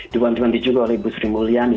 diwanti wanti juga oleh ibu sri mulyani